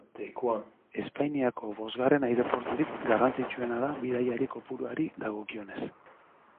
Espainiako bosgarren aireporturik garrantzitsuena da bidaiari kopuruari dagokionez.